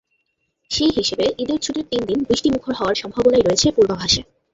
সেই হিসেবে ঈদের ছুটির তিন দিন বৃষ্টিমুখর হওয়ার সম্ভাবনাই রয়েছে পূর্বাভাসে।